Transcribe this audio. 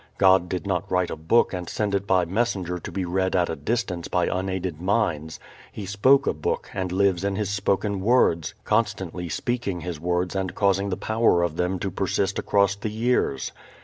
God did not write a book and send it by messenger to be read at a distance by unaided minds. He spoke a Book and lives in His spoken words, constantly speaking His words and causing the power of them to persist across the years.